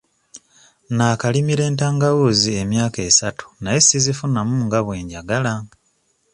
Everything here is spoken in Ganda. Naakalimira entangawuuzi emyaka esatu naye sizifunamu nga bwe njagala.